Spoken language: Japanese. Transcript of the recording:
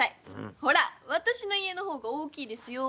ほら私の家の方が大きいですよ！